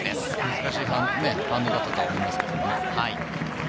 難しいバウンドだったと思いますけどね。